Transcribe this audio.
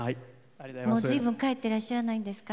ずいぶん帰ってらっしゃらないんですか？